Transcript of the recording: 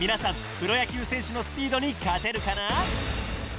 プロ野球選手のスピードに勝てるかな！？